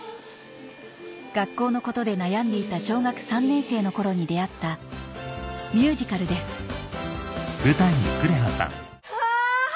学校のことで悩んでいた小学３年生の頃に出合ったミュージカルですうわ